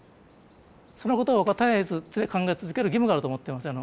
そのことを絶えず考え続ける義務があると思ってますよ